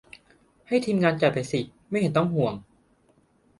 ให้ ทีมงาน จัดไปสิ ไม่เห็นต้องห่วง